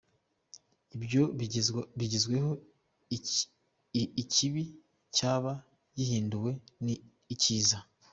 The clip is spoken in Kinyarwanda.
Ibyo bigezweho ikibi cyaba gihinduwe icyiza.